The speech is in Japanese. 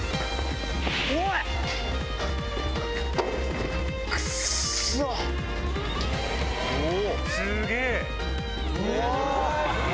おい⁉クソ！すげぇ！